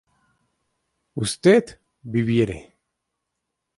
usted viviere